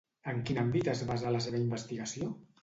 En quin àmbit es basa la seva investigació?